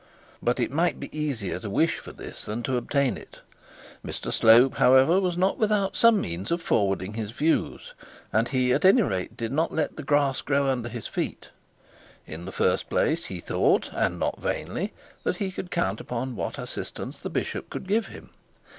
But it might be easier to wish for this than to obtain it. Mr Slope, however, was not without some means of forwarding his views, and he at any rate did not let the grass grow under his feet. In the first place he thought and not vainly that he could count upon what assistance the bishop could give him.